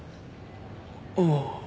ああ。